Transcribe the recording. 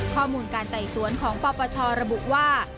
ข้อมูลการไต่สวนของปปชระบุว่า